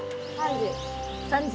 ３０。